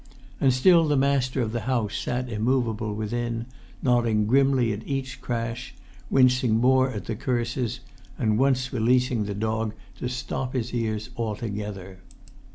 And still the master of the house sat immovable within, nodding grimly at each crash; wincing more at the curses; and once releasing the dog to stop his ears altogether.